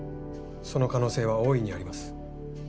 その可能性は大いにあります。